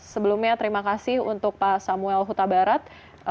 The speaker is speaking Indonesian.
sebelumnya terima kasih untuk pak samuel hutabarat